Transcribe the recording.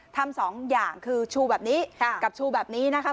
สองอย่างคือชูแบบนี้กับชูแบบนี้นะคะ